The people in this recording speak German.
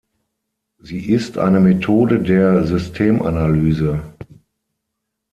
Sie ist eine Methode der Systemanalyse.